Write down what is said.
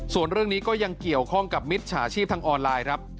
ส่วนเรื่องนี้ก็ยังเกี่ยวข้องกับมิจฉาชีพทางออนไลน์ครับ